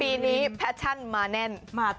ปีนี้แพชชั่นมาแน่นมาก